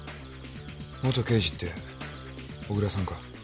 元刑事って小椋さんか？